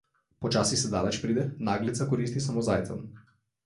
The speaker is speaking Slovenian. Počasi se daleč pride, naglica koristi samo zajcem.